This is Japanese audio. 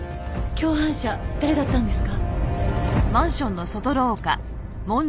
共犯者誰だったんですか？